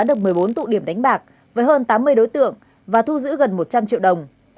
được một mươi bốn tụ điểm đánh bạc với hơn tám mươi đối tượng và thu giữ gần một trăm linh triệu đồng